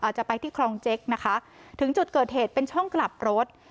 จะไปที่คลองเจ๊กนะคะถึงจุดเกิดเหตุเป็นช่องกลับรถ